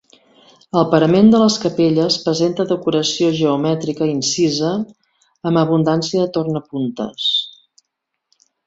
El parament de les capelles presenta decoració geomètrica incisa amb abundància de tornapuntes.